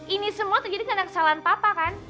ini semua terjadi karena kesalahan papa kan